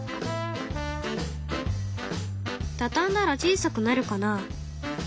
畳んだら小さくなるかな？